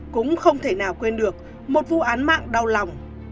cũng không thể nào quên được một vụ án mạng đau lòng